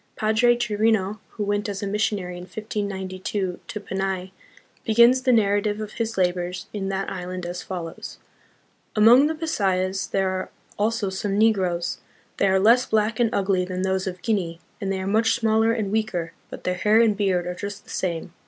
Padre Chirino, who went as a mis sionary in 1592 to Panay, begins the narrative of his labors in that island as follows :" Among the Bisayas, there are also some Negroes. They are less black and ugly than those of Guinea, and they are much smaller and weaker, but their hair and beard are just the same.